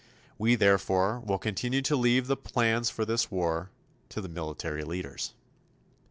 We, therefore, will continue to leave the plans for this war to the military leaders.